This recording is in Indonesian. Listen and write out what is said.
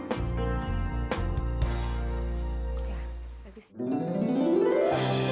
atau fungsi buat bilding